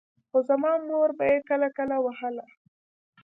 خو زما مور به يې کله کله وهله.